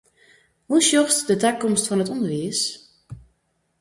Hoe sjochst de takomst fan it ûnderwiis?